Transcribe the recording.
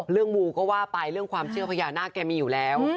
เรื่องมูก็ว่าไปเรื่องความเชื่อพยาหน้าแกมีอยู่แล้ว